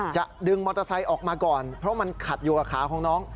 จะดึงมอเตอร์ไซค์ออกมาก่อนเพราะมันขัดอยู่กับขาของน้อง